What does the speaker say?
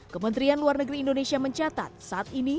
kementerian luar negeri indonesia mencatat saat ini